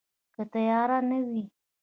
که تیاره نه وي